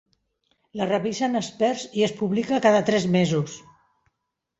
La revisen experts i es publica cada tres mesos.